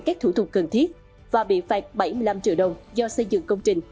các thủ thuật cần thiết và bị phạt bảy mươi năm triệu đồng do xây dựng công trình